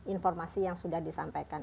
informasi yang sudah disampaikan